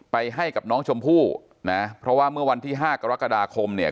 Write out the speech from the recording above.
ให้กับน้องชมพู่นะเพราะว่าเมื่อวันที่ห้ากรกฎาคมเนี่ย